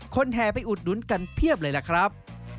แห่ไปอุดหนุนกันเพียบเลยล่ะครับ